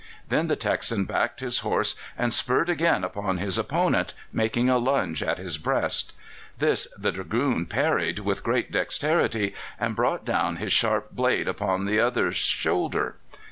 Then the Texan backed his horse and spurred again upon his opponent, making a lunge at his breast. This the Dragoon parried with great dexterity, and brought down his sharp blade upon the other's shoulder.